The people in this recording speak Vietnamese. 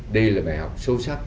đây là bài học sâu sắc